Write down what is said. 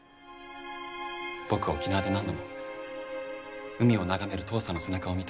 僕は沖縄で何度も海を眺める父さんの背中を見た。